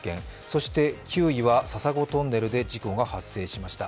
そして９位は笹子トンネルで事故が発生しました。